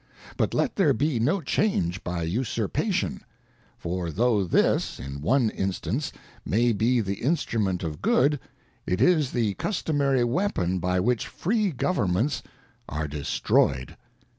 ŌĆö But let there be no change by usurpation ; for though this, in one instance, may be the instrument of good, it is the customary weapon by which free governments are destroyed.